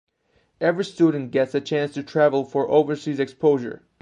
Every student gets a chance to travel for overseas exposure.